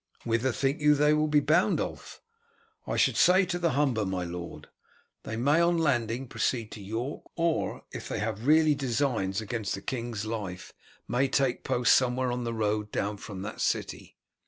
"Whither, think you, will they be bound, Ulf?" "I should say to the Humber, my lord. They may on landing proceed to York, or, if they have really designs against the king's life, may take post somewhere on the road down from that city."